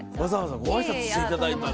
ご挨拶していただいたんで。